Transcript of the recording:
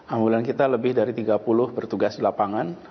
ambulan kita lebih dari tiga puluh bertugas di lapangan